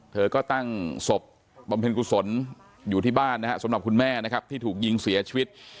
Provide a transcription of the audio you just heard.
เธอก็ตั้งศพบำเพ็ญกุศลอยู่ที่บ้านนะฮะสำหรับคุณแม่นะครับที่ถูกยิงเสียชีวิต